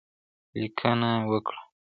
ليکنه وکړه!